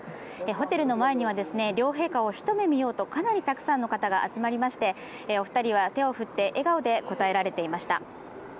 ホテルの前には両陛下を一目見ようとかなりたくさんの方が集まりましてお二人は手を振って笑顔で応えられていました